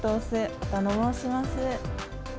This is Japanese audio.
おたの申します。